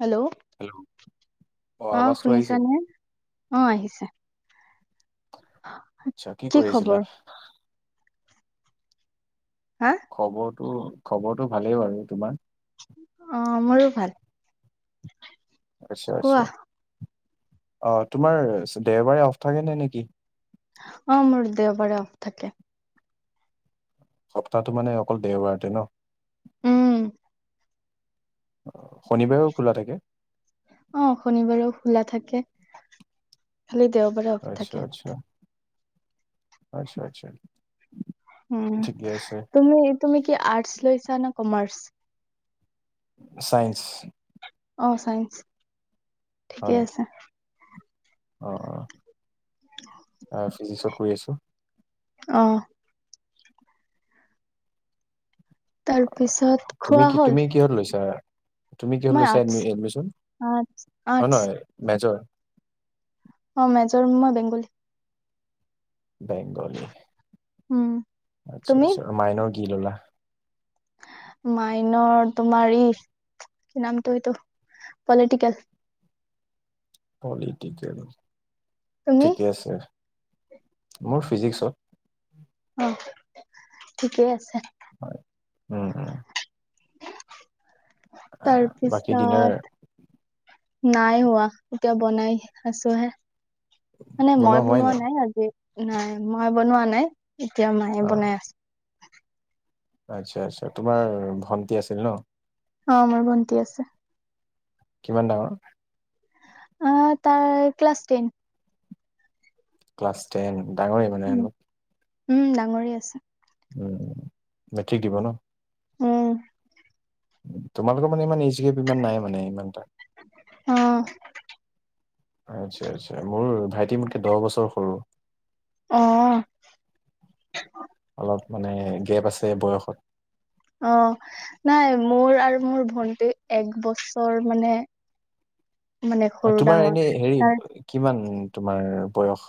Hello hello অ অহ আৱাজটো আহিছে শুনিছানে অহ আহিছে। আচ্ছা কি কৰি আছিলা। হা খবৰটো খবৰটো ভালেই বাৰু তোমাৰ- অহ মোৰো ভাল- আচ্ছা কোৱা আচ্ছা অহ তোমাৰ দেওবাৰে অফ থাকে নে নেকি? অহ মোৰ দেওবাৰে অফ থাকে সপ্তাহটো মানে অকল দেওবাৰতে ন উম শনিবাৰেও খোলা থাকে অ শনিবাৰেও খোলা থাকে খালি দেওবাৰে অফ আচ্ছা থাকে আচ্ছা আচ্ছা আচ্ছা উ ঠিকে আছে তুমি তুমি কি আৰ্টচ লৈছা নে কমাৰ্চ চাইন্স অ চাইন্স ঠিকে হয় আছে অ অ ফিজিক্সত কৰি আছো অ তাৰ পিছত তুমি খোৱা কি তুমি হ'ল কিহত লৈছা তুমি কিহত মই লৈছা আৰ্টচ এডমিশ্যন আৰ্টচ অ আৰ্টচ নহয় মেজৰ অ মেজৰ মই বেংগলী বেংগলী উম আচ্ছা তুমি আচ্ছা মায়নৰ কি ললা মাইনৰ তোমাৰ ই কি নামটো এইটো পলিটিকেল পলিটিকেল তুমি ঠিকে আছে মোৰ ফিজিক্সত অ ঠিকেই আছে হয় উম উম বাকী ডিনাৰ তাৰপিছত নাই হোৱা এতিয়া বনাই আছো হে মানে মই বনোৱা নাই আজি নাই মই বনোৱা নাই এতিয়া মায়ে অ বনাই আছে আচ্ছা আচ্ছা তোমাৰ ভণ্টি আছিল ন অ মোৰ ভন্তি আছে কিমান ডাঙৰ অ তাই ক্লাছ টেন ক্লাছ টেন ডাঙৰে মানে অলপ উম ডাঙৰে আছে মেট্ৰিক দিব ন উম তোমালোকৰ মানে ইমান ইজিকে [unintelligible] বিমান নাই মানে ইমান এটা অ আচ্ছা আচ্ছা মোৰ ভাইটি মোতকে দহ বছৰ সৰু অ অলপ মানে গেপ আছে বয়সত অ নাই মোৰ আৰু মোৰ ভন্টি এক বছৰ মানে [inaudible] সৰু তোমাৰ ডাঙৰ এনে হেৰি তাৰ কিমান তোমাৰ বয়স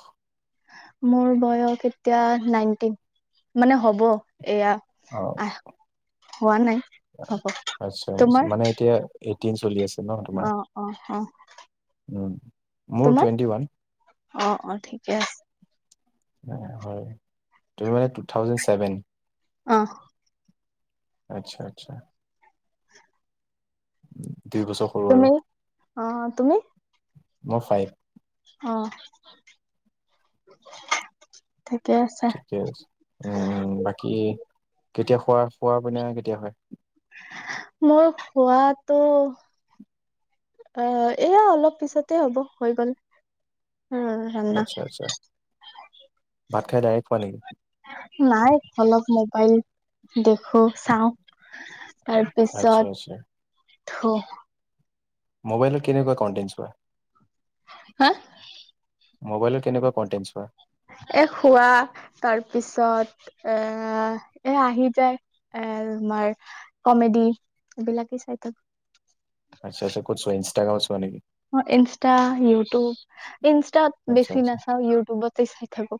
মোৰ বয়স এতিয়া নাইনটিন মানে হ'ব এয়া অ আহ হোৱা নাই হ'ব তোমাৰ মানে এতিয়া এইটটিন চলি আছে ন তোমাৰ অ অ অ উম মোৰ তোমাৰ টুৱেণ্টি ওৱান অ অ ঠিকে আছে হয় তুমি মানে টু থাউজেন ছেভেন অ আচ্ছা আচ্ছা দুই বছৰ সৰু আৰু তুমি অ তুমি মই ফাইভ। অ'। ঠিকে আছে ঠিকে আছে। উম উম, বাকী কেতিয়া খোৱা খোৱা পিনা কেতিয়া হয়? মোৰ খোৱাটো আহ এয়া অলপ পিছতে হ'ব হৈ গল। উম, আচ্ছা আচ্ছা [unintelligible] ভাত খাই ডাইৰেক্ট শুৱা নেকি? নাই অলপ মোবাইল দেখো চাওঁ। আচ্ছা তাৰপিছত আচ্ছা ঢৌ মোবাইলৰ কেনেকুৱা কণ্টেন্ট চোৱা? হা? মোবাইলৰ কেনেকুৱা কনটেন্ট চোৱা? [inaudible] এ খোৱা তাৰ পিছত এ এ আহি যায় এ তোমাৰ কমেডি এইবিলাকে চাই থাকো। আচ্ছা আচ্ছা ক'ত চোৱা ইষ্টাগ্ৰামত চোৱা নেকি? অ' ইনষ্টা, ইউটুব। ইনষ্টাত আচ্ছা বেছি আচ্ছা নাচাওঁ ইউটুবতে চাই থাকো।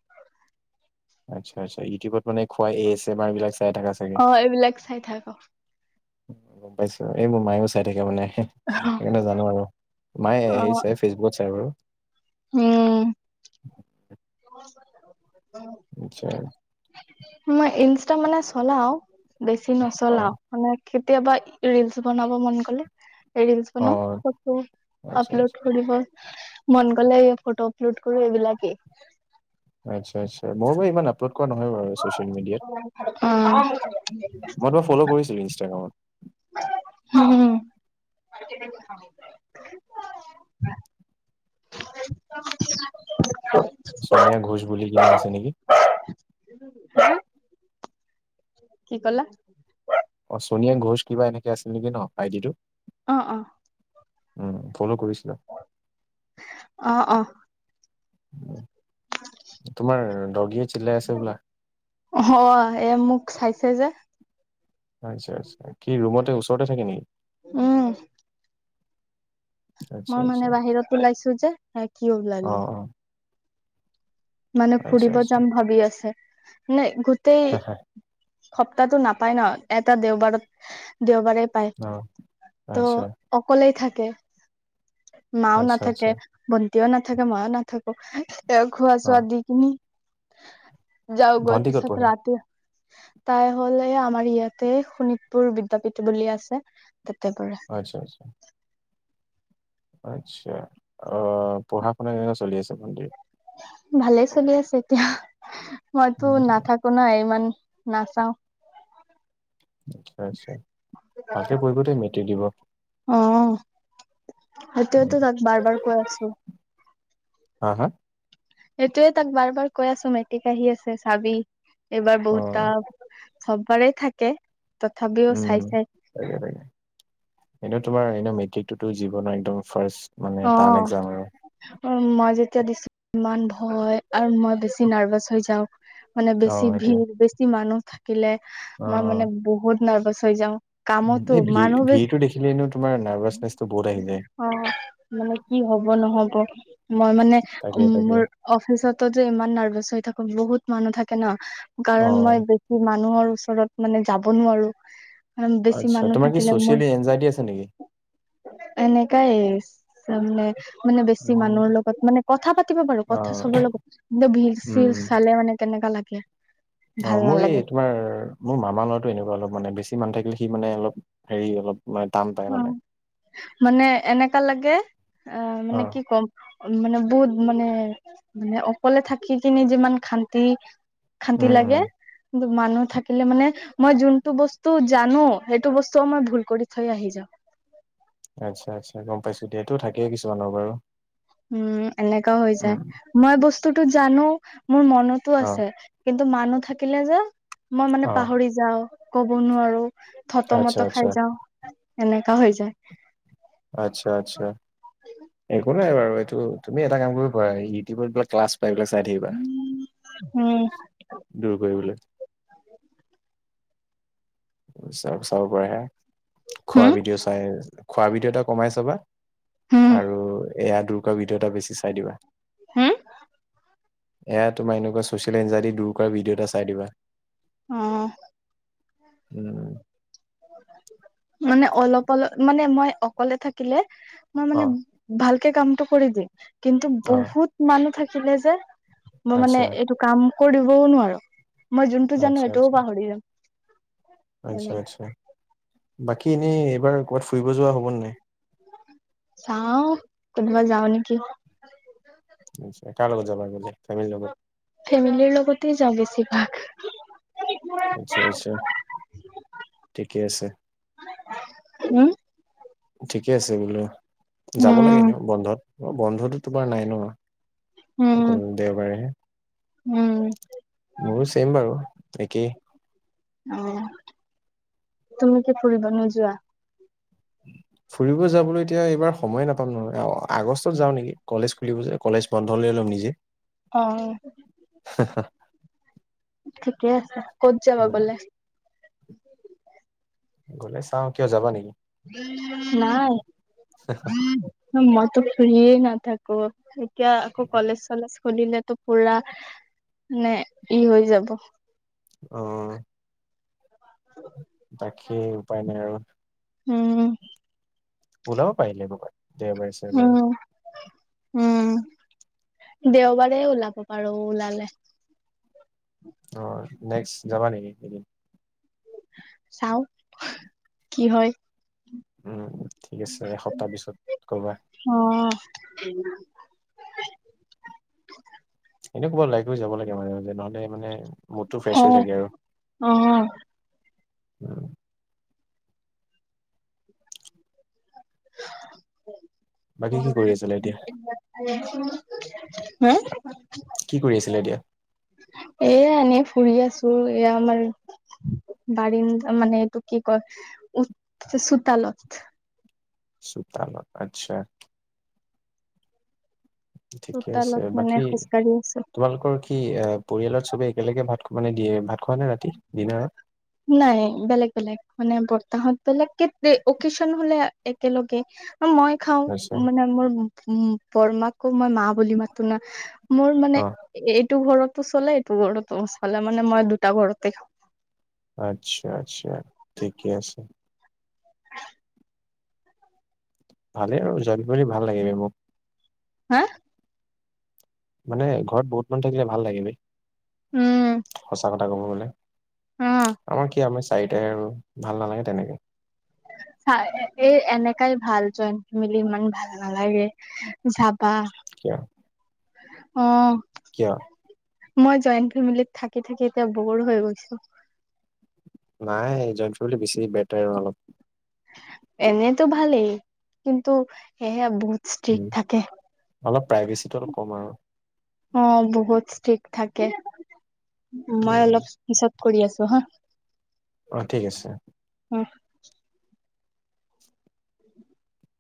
আচ্ছা আচ্ছা। ইউটিউবত মানে খোৱা, এ এচ এম আৰ বিলাক চাই থাকা চাগে অ' এইবিলাক চাই থাকো। গম পাইছো এ মোৰ মায়ো চাই থাকে মানে। সেইকাৰণে জানো আৰু মায়ে অ হেৰি চাই ফেচবুকত চাই বাৰু। উম আচ্ছা মই ইনষ্টা মানে চলাও বেছি অ নচলাও মানে কেতিয়াবা ৰিলচ বনাব মন গলে ৰিলছ্ অ বনাও, ফটো আচ্ছা আচ্ছা আপলোড কৰিব মন গলে ফটো আপলোড কৰো এইবিলাকে। আচ্ছা আচ্ছা মই বাৰু ইমান আপলোড কৰা নহয় বাৰু ছচিয়েল মিডিয়াত। মই তোমাক ফ'ল' কৰিছিলোঁ ইনষ্টাগ্ৰামত। উম। [unintelligible] ছোনিয়া ঘোঁচ বুলি কিনে আছে নেকি? কি কলা? অ' ছোনিয়া ঘোচ কিবা এনেকে আছিল নেকি ন আইডিটো? অ' অ'। উম, ফলো কৰিছিলোঁ। অ অ তোমাৰ দগীয়ে চিল্লাই আছে হবোলা? হয় এ [unintelligible] আচ্ছা আচ্ছা, কি ৰুমতে ওচৰতে থাকে নেকি? উম। আচ্ছা মই আচ্ছা মানে বাহিৰত ওলাইছো যে, এ কিঅ অ ওলালো অ মানে আচ্ছা ফুৰিব আচ্ছা যাম ভাবি আছে, নাই গোটেই সপ্তাহটো নাপায় ন এটা দেওবাৰত - দেওবাৰে প্ৰায়, অ আচ্ছা ত' অকলেই থাকে। মাও আচ্ছা নাথাকে, আচ্ছা ভন্তিও নাথাকে, মইও নাথাকো। ইয়াক খোৱা অ চোৱা দি কিনি যাওগৈ ভণ্টি ক'ত পিছত পঢ়ে ৰাতি তাই হলে আমাৰ ইয়াতে শোণিতপুৰ বিদ্যাপীঠ বুলি আছে তাতে আচ্ছা আচ্ছা পঢ়ে। আচ্ছা। অ পঢ়া শুনা কেনেকা চলি আছে? ভণ্টিৰ ভালে চলি আছে এতিয়া মইতো উম, নাথাকো না ইমান নাচাও। আচ্ছা আচ্ছা, ভালকে পঢ়িব দে মেট্ৰিক দিব। উম, সেইটোৱেতো তাক বাৰ বাৰ কৈ আছো। হা হা সেইটোয়ে তাক বাৰ বাৰ কৈ আছো মেট্ৰিক আহি আছে চাবি এইবাৰ অ বহুতটা চব বাৰেই থাকে তথাপিও চাই চাই এনেও তোমাৰ এনে মেট্ৰিকটোতো জীৱনৰ একদম ফাৰ্ষ্ট মানে অ টান এক্সাম আৰু। উ মই জে যেতিয়া দিছো ইমান ভয় হয় আৰু মই বেছি নাৰ্ভাচ হৈ যাওঁ। মানে অ বেছি সেইটোৱে। ভিৰ বেছি মানুহ থাকিলে অ মই মানে বহুত নাৰ্ভাচ হৈ যাওঁ। কামতো মানুহ বে নাৰ্ভাচ নেচ অ মানে কি হব নহব মই মানে তাকে উম তাকে মোৰ অফিচ তাৰপিছতো যে ইমান নাৰ্ভা হৈ থাকো বহুত মানুহ থাকে ন কাৰণ মই অ', বেছি মানুহৰ ওচৰত মানে যাব নোৱাৰো। আৰু বেছি আচ্ছা মানু তোমাৰ কি থাকিলে মোৰ চচিয়েলি এনজাইটি আছে নেকি? এনেকাই তামানে মানে বেছি উম, মানুহৰ লগত মানে কথা পাতিব বাৰু কথা অ', চবৰ লগত কিন্তু ভিৰ উম, চিৰ উম। চালে মানে কেনেকা লাগে। কি অ মোৰ এই তোমাৰ মোৰ মামা লৰাটো এনেকুৱা অলপ মানে বেছি সিমান থাকিলে সি মানে অলপ হেৰি অলপ তান পায় মানে মানে এনেকা লাগে অ মানে কি ক'ম মানে বুত মানে মানে অকলে থাকি কিনে যিমান খান্তি খান্তি উম, লাগে উম, মানুহ থাকিলে মানে মই যোনটো বস্তু জানো সেইটো বস্তুও মই ভুল কৰি থাক থৈ আহি যাওঁ। আচ্ছা আচ্ছা গম পাইছো দিয়েতো থাকেইেকিছুমানৰ বাৰু উম এনেকাও হৈ যায় উম, মই বস্তুতটো জানো মোৰ মনতো অ', আছে কিন্তু ত মানুহ থাকিলে যে মই মানে অ', পাহৰি যাওঁ ক'ব নোৱাৰো। থত আচ্ছা মত আচ্ছা খাই যাও এনেকা হৈ যায়। আচ্ছা আচ্ছা। একো নাই বাৰু এইটো তুমি এটা কাম কৰিব পাৰা ইউটিবত গৈ ক্লাছ পাই এইবিলাক চাই থাকিবা। উম, দূৰ কৰিবলে। চব চাব পাৰে। খোৱা হম, ভিডিঅ'ও চাই খোৱা ভিডিঅ' এটা কমাই চাবা হম, আৰু এয়া দুৰ্গা ভিডিঅ' এটা বেছি চাই দিবা। হম এয়া তোমাৰ এনেকুৱা ছচিয়েল এঞ্জাদি দূৰ কৰা ভিডিঅ' এটা চাই দিবা। আহ উম মানে অলপ অলপ মানে মই অকলে থাকিলে মই অ মানে ভালকে কামটো কৰি দিম কিন্তু অ বহুত মানুহ থাকিলে যে মই মানে আচ্ছা এইটো কাম কৰিবও নোৱাৰো মই যোনটো জানো আচ্ছা সেইটোও আচ্ছা পাহৰি যাম। আচ্ছা এনে আচ্ছা বাকী এনেই এইবাৰ কবাত ফুৰিব যোৱা হ'ব নে নাই চাও কোনোবা যাও নেকি। নিশ্চয় কাৰ লগত যাবা গ'লে। ফেমিলিৰ লগত ফেমিলিৰ লগতে যাওঁ বেছিভাগ। আচ্ছা আচ্ছা ঠিকে আছে। উম। ঠিকে আছে বোলো যাব লাগে উম, এনেও বন্ধত বন্ধতো তোমাৰ নাই ন উম, অকল দেওবাৰেহে। উম, মোৰো চেইম বাৰু একেই। অ তুমি কি ফুৰিব নোযোৱা? [inaudible] ফুৰিব যাবলৈ এতিয়া এইবাৰ সময়ে নাপাম নহয় আগষ্টত যাওঁ নেকি কলেজ খুলিব যে কলেজ বন্ধ লৈল নিজে অ ঠিকে আছে ক'ত যাবা উম, গ'লে? গলে চাও কিয় যাবা নেকি? নাই মই টো ফ্ৰী নাথাকো এতিয়া আকৌ কলেজ চলেজ সুধিলেতো পুৰা মানে ই হৈ যাব। অহ উপায় নাই আৰু উম ওলাব পাৰিলে লেববাৰ দেওবাৰে চেওবাৰে উম, উম দেওবাৰে ওলাব পাৰো ওলালে। অ নেক্সট যাবা নেকি এদিন চাও কি হয়? উম, ঠিক আছে এসপ্তাহ পিছত ক'বা অ এনে ক'ৰবাত ওলাইকৈ যাব লাগে মানে যে নহ'লে মানে মুদটো ফ্ৰেছ হৈ অ', থাকে অ', আৰু। [unintelligible] বাকী হা কি কৰি আছিলা এতিয়া? কি কৰি আছিলা এতিয়া? এ এনে ফুৰি আছ- ৰ আমাৰ বাৰীন মানে এইটো কি ক চোতাল। [unintelligible] চুতাল আচ্ছা ঠিকে আছে চোতালত মানে বাকী খোজকাঢ়ি আছো তোমালোকৰ কি এ পৰিয়ালত চবে একেলগে ভাত মানে দিয়ে ভাত খোৱা নে ৰাতি ডিনাৰত। নাই বেলেগ বেলেগ মানে বৰ্তা হত বেলেগ কে অকচন হলে একেলগে। মই খাও আচ্ছা মানে মোৰ বৰমাকো মই মা বুলি মাতো না। মোৰ মানে অ এ এট এইটো ঘৰতো চলে এইটো ঘৰতো চলে মানে মই দুটা ঘৰতে খাওঁ। আচ্ছা আচ্ছা ঠিকে আছে। ভালেই আৰু জইল বুলি ভাল লাগে মোক। হা মানে ঘৰত বহুত মানুহ থাকিলে ভাল লাগে বে। উম। তা ক'ব গ'লে অ আমাৰ কি আমাৰ চাৰিটাই আৰু ভাল নালাগে তেনেকে। [inaudible] চা এই এনেকাই ভাল জইন ফেমিলি ইমান ভাল নালাগে যাবা। কিয়? অ। কিয়? মই জইণ্ট ফেমিলিত থাকি থাকি এতিয়া বৰ হৈ গৈছো। নাই জইণ বুলি বেছি বেটাৰ আৰু অলপ। এনেতো ভালেই কিন্তু সেহে ব- ষ্টিক উম থাকে অলপ প্ৰাইভেচিটো অলপ কম আৰু অ বহুত ষ্ট্ৰিক। থাকে মই উম অলপ পিচত কৰি আছো হা। অ ঠিক আছে। [inaudible] [inaudible]